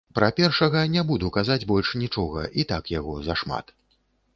Пра першага не буду казаць больш нічога, і так яго зашмат.